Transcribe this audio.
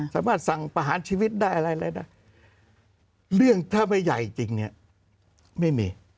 สามารถสั่งประหารชีวิตได้อะไรเลยนะเรื่องถ้าไม่ใหญ่จริงเนี่ยไม่มี